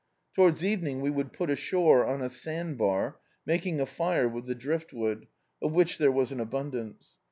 Towards evening we would put ashore on a sand bar, maldng a fire with the driftwood, of which there was an abundance.